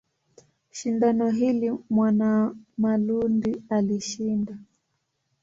Shindano hili Mwanamalundi alishinda.